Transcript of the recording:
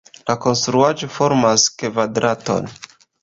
La konstruaĵo formas kvadraton.